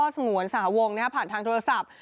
สงวนสหวงผ่านทางโทรศัพท์